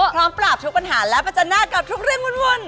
พร้อมปราบทุกปัญหาและประจันหน้ากับทุกเรื่องวุ่น